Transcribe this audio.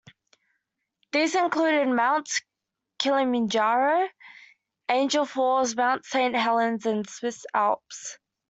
These included Mount Kilimanjaro, Angel Falls, Mount Saint Helens, and the Swiss Alps.